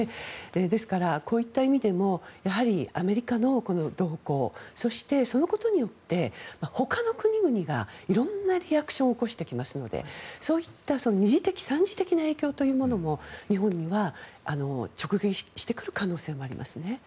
ですからこういった意味でもやはりアメリカの動向そして、そのことによってほかの国々が色んなリアクションを起こしてきますのでそういった二次的、三次的な影響というのも日本には直撃してくる可能性もありますね。